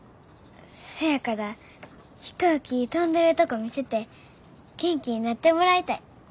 せやから飛行機飛んでるとこ見せて元気になってもらいたい。